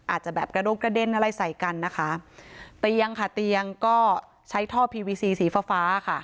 อาจจะแบบกระดงกระเด็นอะไรใส่กันนะคะเตียงค่ะเตียงก็ใช้ท่อพีวีซีฟ้าฟ้าค่ะ